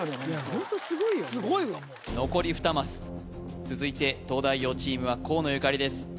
ホントすごいわもう残り２マス続いて東大王チームは河野ゆかりです